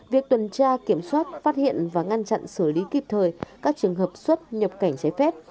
việc tuần tra kiểm soát phát hiện và ngăn chặn xử lý kịp thời các trường hợp xuất nhập cảnh trái phép